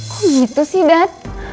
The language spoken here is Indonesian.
kok gitu sih dad